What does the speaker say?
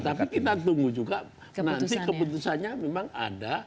tapi kita tunggu juga nanti keputusannya memang ada